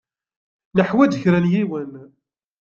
Neḥwaj kra n yiwen.